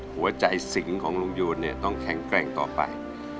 หัวใจสิงของลุงยูนเนี่ยต้องแข็งแกร่งต่อไป